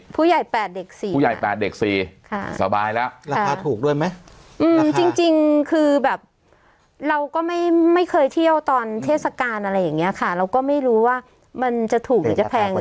ผู้ใหญ่แปดเด็กสี่ครับผู้ใหญ่แปดเด็กสี่ค่ะสบายแล้วค่ะราคาถูกด้วยไหมอืมราคาจริงจริงคือแบบเราก็ไม่ไม่เคยเที่ยวตอนเทศกาลอะไรอย่างเงี้ยค่ะเราก็ไม่รู้ว่ามันจะถูกหรือจะแพง